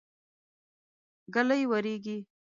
ږلۍ وريږي.